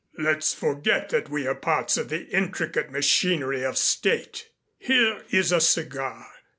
Let's forget that we are parts of the intricate machinery of State. Here is a cigar.